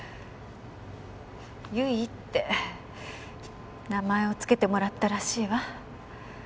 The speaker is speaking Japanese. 優衣って名前を付けてもらったらしいわ。